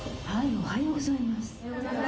おはようございます。